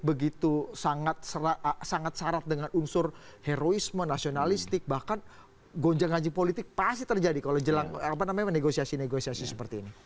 begitu sangat syarat dengan unsur heroisme nasionalistik bahkan gonjang ganjing politik pasti terjadi kalau menegosiasi negoisasi seperti ini